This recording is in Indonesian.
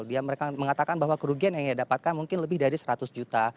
dia mengatakan bahwa kerugian yang ia dapatkan mungkin lebih dari seratus juta